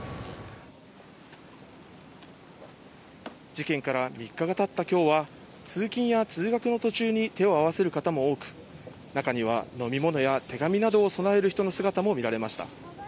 事件から３日が経った今日は通勤や通学の途中に手を合わせる方も多く、中には飲み物や手紙などを供える人の姿も見られました。